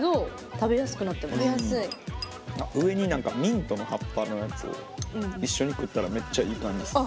上に何かミントの葉っぱのやつを一緒に食ったらめっちゃいい感じっす。